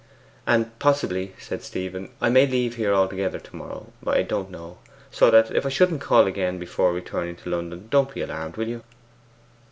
'And possibly,' said Stephen, 'I may leave here altogether to morrow; I don't know. So that if I shouldn't call again before returning to London, don't be alarmed, will you?